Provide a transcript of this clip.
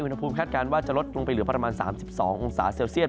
อุณหภูมิคาดการณ์ว่าจะลดลงไปเหลือประมาณ๓๒องศาเซลเซียต